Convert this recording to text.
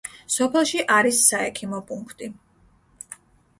სოფელში არის საექიმო პუნქტი.